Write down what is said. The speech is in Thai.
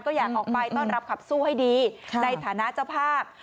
ก็อยากออกไปต้อนรับขับสู้ให้ดีในฐานะเจ้าภาพ